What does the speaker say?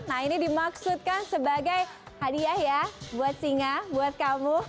nah ini dimaksudkan sebagai hadiah ya buat singa buat kamu